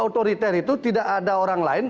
otoriter itu tidak ada orang lain